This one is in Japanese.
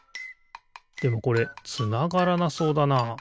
でもこれつながらなそうだな。